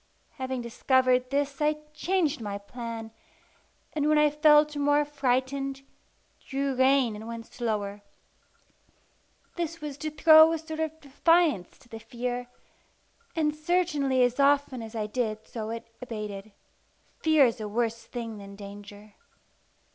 Having discovered this, I changed my plan, and when I felt more frightened, drew rein and went slower. This was to throw a sort of defiance to the fear; and certainly as often as I did so it abated. Fear is a worse thing than danger.